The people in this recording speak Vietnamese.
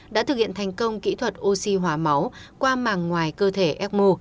đã thực hiện thành công kỹ thuật oxy hóa máu qua màng ngoài cơ thể ecmo